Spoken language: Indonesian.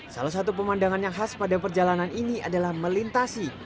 salah satu pemandangan yang khas pada perjalanan ini adalah melintasi